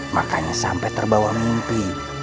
makanya sampai terbawa mimpi